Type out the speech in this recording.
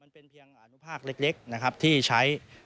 เป็นเครียงอนุภาคเล็กที่ใช้